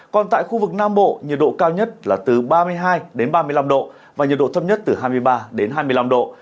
còn tại khu vực nam bộ nhiệt độ cao nhất là từ ba mươi hai đến ba mươi năm độ và nhiệt độ thấp nhất từ hai mươi ba đến hai mươi năm độ